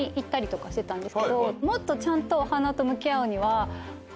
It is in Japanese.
もっとちゃんとお花と向き合うには。